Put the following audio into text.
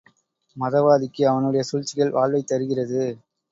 மதவாதிக்கு அவனுடைய சூழ்ச்சிகள் வாழ்வைத் தருகிறது.